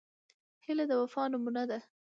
هیلۍ د وفا نمونه ده